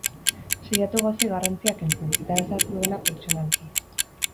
Saiatu gauzei garrantzia kentzen, eta ez hartu dena pertsonalki.